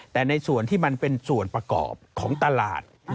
แต่ในส่วนที่มันเป็นส่วนประกอบของตลาด